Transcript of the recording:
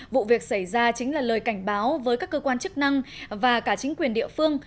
vụ việc xảy ra chính là lời cảnh báo với các cơ quan chức năng và cả chính quyền địa phương